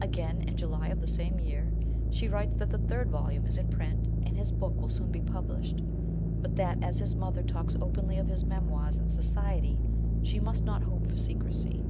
Again, in July of the same year, she writes that the third volume is in print, and his book will soon be published ; but that as his mother talks openly of his memoirs in society, he must not hope for secrecy.